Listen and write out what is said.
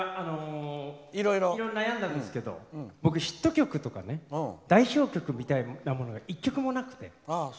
いろいろ悩んだんですが僕ヒット曲とか代表曲みたいなのが１曲もなくて。